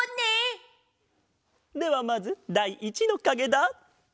ではまずだい１のかげだ。